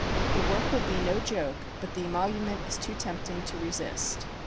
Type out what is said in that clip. The work will be no joke, but the emolument is too tempting to resist."